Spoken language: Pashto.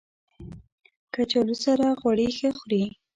کچالو سره غوړي ښه خوري